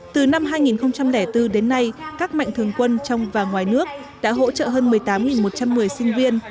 từ năm hai nghìn bốn đến nay các mạnh thường quân trong và ngoài nước đã hỗ trợ hơn một mươi tám một trăm một mươi sinh viên